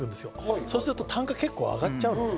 そうすると単価が上がっちゃう。